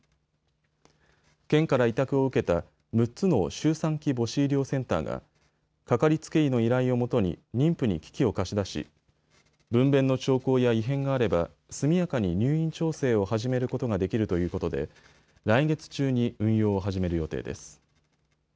県から委託を受けた６つの周産期母子医療センターがかかりつけ医の依頼をもとに妊婦に機器を貸し出し分娩の兆候や異変があれば速やかに入院調整を始めることができるということで来月中に運用を始める予定です。